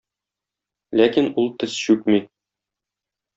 Ләкин ул тез чүкми.